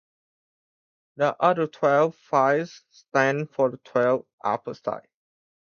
The other twelve fires stand for the twelve apostles.